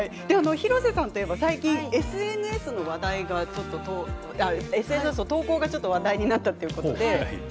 広瀬さんといえば最近ＳＮＳの投稿が話題になったということで。